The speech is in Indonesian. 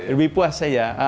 lebih puas ya